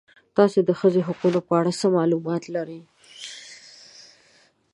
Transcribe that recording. تاسې د ښځو د حقونو په اړه څه معلومات لرئ؟